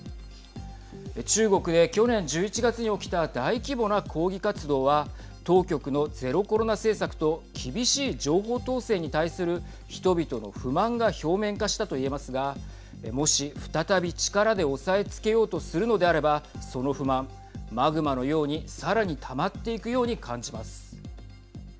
中国で去年１１月に起きた大規模な抗議活動は当局のゼロコロナ政策と厳しい情報統制に対する人々の不満が表面化したと言えますがもし、再び力で押さえつけようとするのであればその不満、マグマのようにさらにたまっていくように感じます。